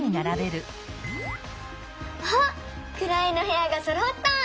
あっくらいのへやがそろった！